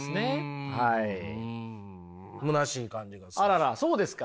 あららそうですか。